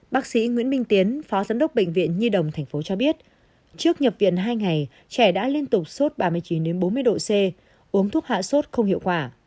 bác sĩ nguyễn minh tiến phó giám đốc bệnh viện nhi đồng tp cho biết trước nhập viện hai ngày trẻ đã liên tục sốt ba mươi chín bốn mươi độ c uống thuốc hạ sốt không hiệu quả